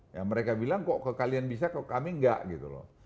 ya mereka bilang kok ke kalian bisa kok kami enggak gitu loh